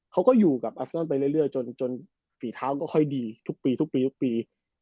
เขาก็อยู่กับอฟเซนต์ไปเรื่อยจนฝีเท้าก็ค่อยดีทุกปี